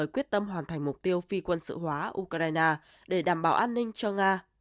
khóa ukraine để đảm bảo an ninh cho nga